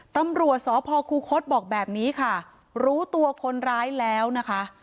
ตำรวจสพคูคศบอกแบบนี้ค่ะรู้ตัวคนร้ายแล้วนะคะ